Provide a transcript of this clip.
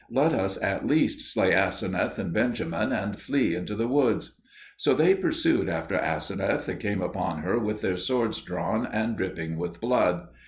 Let us at least slay Aseneth and Benjamin, and flee into the woods." So they pursued after Aseneth, and came upon her with their swords drawn and dripping with blood.